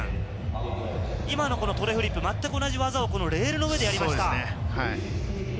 今のトレフリップ、全く同じ技をレールの上でやりました。